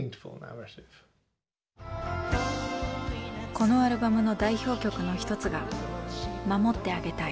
このアルバムの代表曲の一つが「守ってあげたい」。